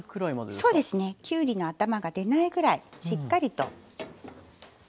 そうですねきゅうりの頭が出ないぐらいしっかりと。